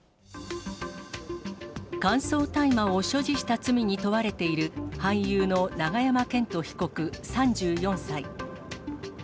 乾燥大麻を所持した罪に問われている俳優の永山絢斗被告３４歳。